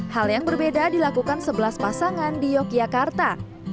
hal yang berbeda dilakukan sebelas pasangan di yogyakarta